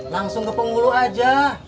langsung ke penghulu aja